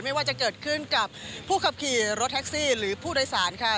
ไม่ว่าจะเกิดขึ้นกับผู้ขับขี่รถแท็กซี่หรือผู้โดยสารค่ะ